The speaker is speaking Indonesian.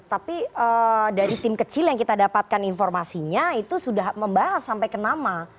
tapi dari tim kecil yang kita dapatkan informasinya itu sudah membahas sampai ke nama